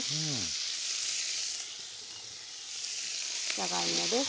じゃがいもです。